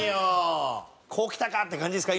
こうきたかって感じですか？